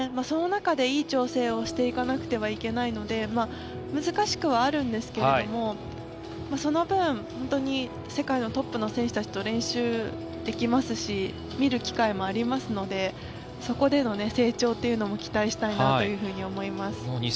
その中でいい調整をしていかなければいけないので難しくはあるんですがその分、本当に世界のトップの選手たちと練習できますし見る機会もありますのでそこでの成長というのも期待したいなと思います。